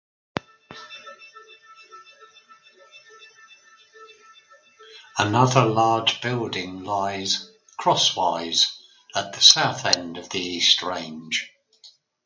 Another large building lies crosswise at the south end of the east range.